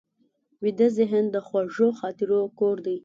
ویده ذهن د خوږو خاطرو کور دی